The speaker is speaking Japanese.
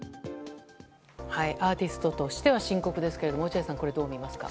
アーティストとしては深刻ですけども落合さん、どう見ますか？